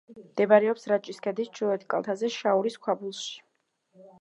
მდებარეობს რაჭის ქედის ჩრდილოეთ კალთაზე, შაორის ქვაბულში.